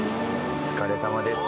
お疲れさまでした。